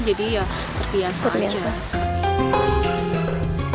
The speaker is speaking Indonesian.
jadi ya terbiasa saja